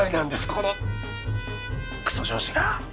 このくそ上司が！